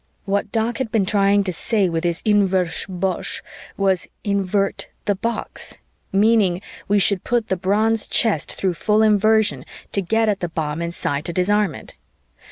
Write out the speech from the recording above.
What Doc had been trying to say with his "Inversh ... bosh ..." was "Invert the box," meaning we should put the bronze chest through full Inversion to get at the bomb inside to disarm it.